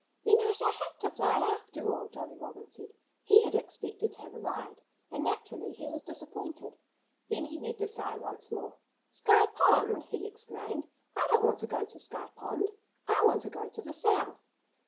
"Then I shall have to fly, after all," Jolly Robin said. He had expected to have a ride. And naturally he was disappointed. Then he read the sign once more. "Sky Pond!" he exclaimed. "I don't want to go to Sky Pond. I want to go to the South!"